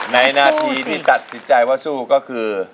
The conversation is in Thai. นาทีที่ตัดสินใจว่าสู้ก็คือ